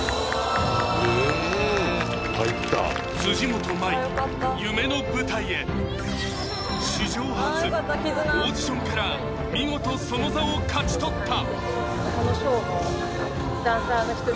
辻元舞夢の舞台へ史上初オーディションから見事その座を勝ち取った！